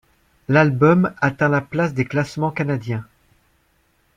L'album atteint la place des classements canadiens.